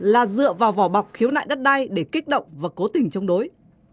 là dựa vào vỏ bọc khiếu nại đất đai để kích động và cố tình chống đối